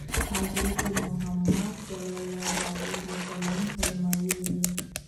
حضرت محمد صلی الله علیه وسلم فرمایلي دي.